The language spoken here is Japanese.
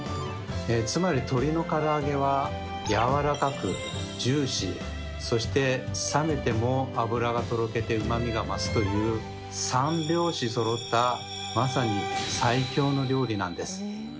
つまり鶏のから揚げはやわらかくジューシーそして冷めても脂がとろけてうまみが増すという三拍子そろったまさに最強の料理なんです。